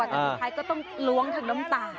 แต่สุดท้ายก็ต้องล้วงทั้งน้ำตา